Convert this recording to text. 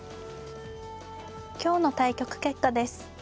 今日の対局結果です。